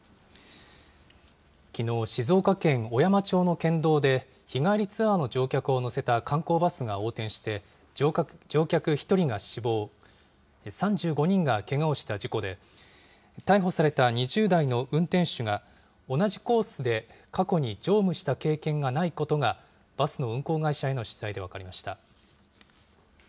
きのう、静岡県小山町の県道で、日帰りツアーの乗客を乗せた観光バスが横転して、乗客１人が死亡、３５人がけがをした事故で、逮捕された２０代の運転手が、同じコースで過去に乗務した経験がないことが、バスの運行会社への取材で分かりました。